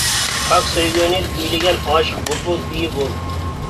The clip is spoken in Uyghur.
پاك سۆيگۈنى كۈيلىگەن، ئاشىق بۇلبۇل كۈيى بول.